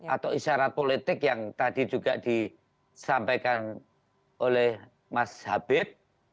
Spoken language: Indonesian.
atau isyarat politik yang tadi juga disampaikan oleh mas habib